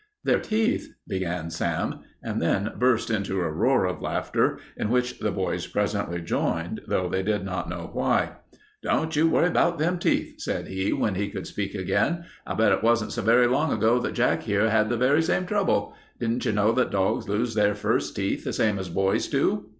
"Their teeth " began Sam, and then burst into a roar of laughter, in which the boys presently joined, though they did not know why. "Don't you worry about them teeth," said he, when he could speak again. "I'll bet it wasn't so very long ago that Jack here had the very same trouble. Didn't you know that dogs lose their first teeth the same as boys do?